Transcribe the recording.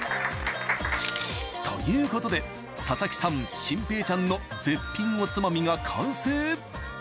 ということで佐々木さん心平ちゃんの絶品おつまみが完成！